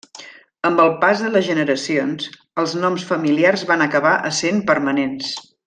Amb el pas de les generacions, els noms familiars van acabar essent permanents.